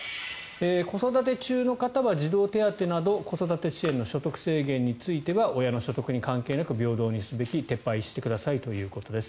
子育て中の方は児童手当など子育て支援の所得制限については親の所得に関係なく平等にすべき撤廃してくださいということです。